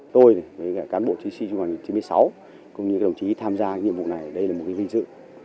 tôi cán bộ chí sĩ trung đoàn chín mươi sáu cũng như các đồng chí tham gia nhiệm vụ này đây là một cái linh dự